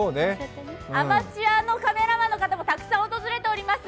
アマチュアのカメラマンの方もたくさん訪れております。